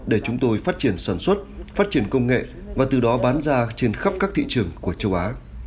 để chúng tôi phát triển sản xuất phát triển công nghệ và từ đó bán ra trên khắp các thị trường của châu á